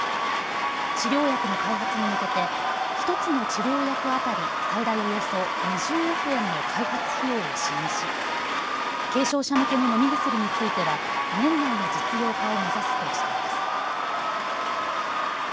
治療薬の開発に向けて１つの治療薬当たり最大およそ２０億円の開発費用を支援し軽症者向けの飲み薬については年内の実用化を目指すとしています。